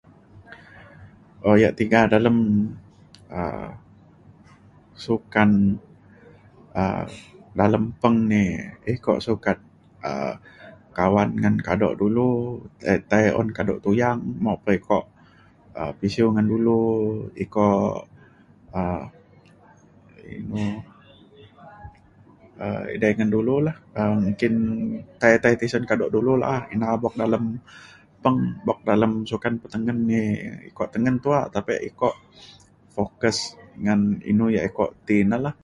um yak tiga dalem um sukan um dalem peng ni iko sukat um kawan ngan kado dulu tai tai un kado tuyang mok pa iko um pisiu ngan dulu iko um inu um idai ngan dulu lah um nggin tai tai tisen kado dulu la’a. ina buk dalem peng buk dalem sukan petengen e iko tengen tuak tapek iko focus ngan inu yak iko ti ina la